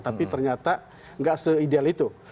tapi ternyata nggak se ideal itu